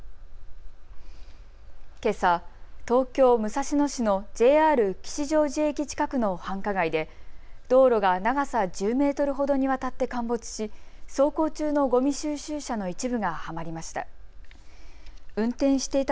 けさ、東京武蔵野市のＪＲ吉祥寺駅近くの繁華街で道路が長さ１０メートルほどにわたって陥没し走行中のごみ収集車の一部がはまりました。